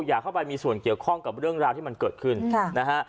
อยากเข้าไปมีส่วนเกี่ยวข้องกับเรื่องราวที่มันเกิดขึ้นนะฮะ